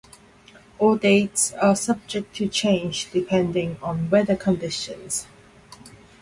All dates are subject to change depending on weather conditions.